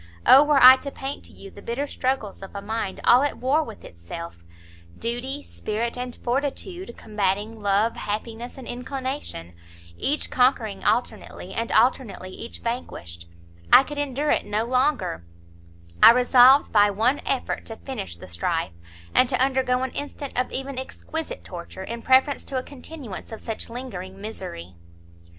O were I to paint to you the bitter struggles of a mind all at war with itself, Duty, spirit, and fortitude, combating love, happiness and inclination, each conquering alternately, and alternately each vanquished, I could endure it no longer, I resolved by one effort to finish the strife, and to undergo an instant of even exquisite torture, in preference to a continuance of such lingering misery!"